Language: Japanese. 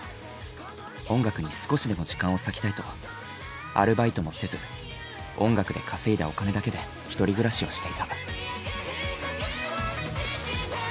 音楽に少しでも時間を割きたいとアルバイトもせず音楽で稼いだお金だけで１人暮らしをしていた。